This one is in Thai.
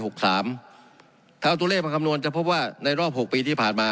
ถ้าเอาตัวเลขมาคำนวณจะพบว่าในรอบ๖ปีที่ผ่านมา